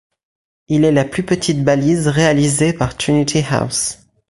Il est la plus petite balise réalisée par Trinity House.